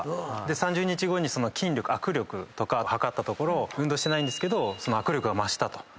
３０日後に筋力握力とか測ったところ運動してないんですけど握力が増したと。